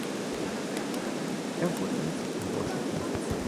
Er wurde nicht in deutschen Kinos gezeigt.